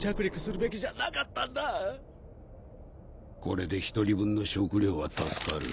これで１人分の食料は助かる。